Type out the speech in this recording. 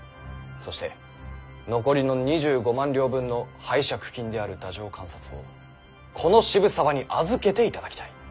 そして残りの２５万両分の拝借金である太政官札をこの渋沢に預けていただきたい。